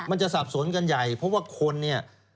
สับสนกันใหญ่เพราะว่าคนเนี่ย